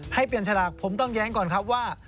ให้เปลี่ยนฉลากผมต้องแย้งก่อนครับว่า